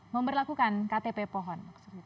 memperlakukan ktp pohon